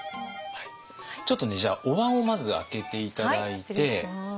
ちょっとねじゃあおわんをまず開けて頂いて。